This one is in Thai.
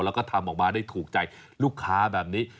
แล้วก็ทำออกมาได้ถูกใจลูกค้าแบบนี้